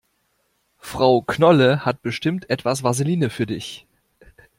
Frau Knolle hat bestimmt etwas Vaseline für dich.